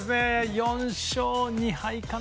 ４勝２敗かな。